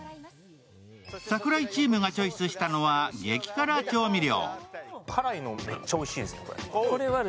櫻井チームがチョイスしたのは激辛調味料。